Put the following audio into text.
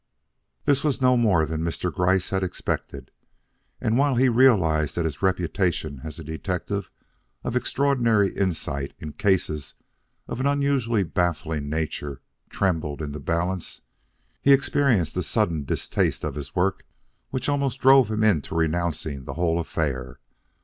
This was no more than Mr. Gryce had expected, and while he realized that his reputation as a detective of extraordinary insight in cases of an unusually baffling nature trembled in the balance, he experienced a sudden distaste of his work which almost drove him into renouncing the whole affair.